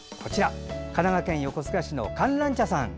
神奈川県横須賀市のかんらんちゃさん。